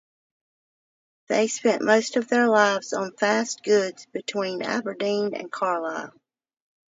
They spent most of their lives on fast goods between Aberdeen and Carlisle.